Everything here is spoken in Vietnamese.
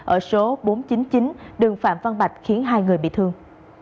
ở số bốn trăm chín mươi chín đường phạm văn bạch khiến hai người bị thương